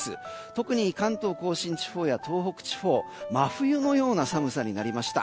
特に関東・甲信地方や東北地方は真冬のような寒さになりました。